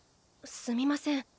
すみません